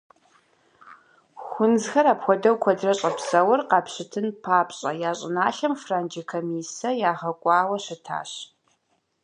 Хунзхэр апхуэдэу куэдрэ щӏэпсэур къапщытэн папщӏэ, я щӏыналъэм франджы комиссэ ягъэкӏуауэ щытащ.